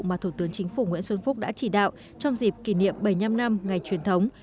mà thủ tướng chính phủ nguyễn xuân phúc đã chỉ đạo trong dịp kỷ niệm bảy mươi năm năm ngày truyền thống